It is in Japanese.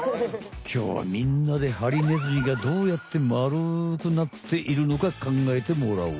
きょうはみんなでハリネズミがどうやって丸くなっているのかかんがえてもらおう。